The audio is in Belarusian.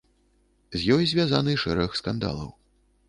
З ёй звязаны шэраг скандалаў.